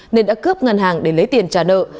nên đã cướp ngân hàng để lấy tiền trả nợ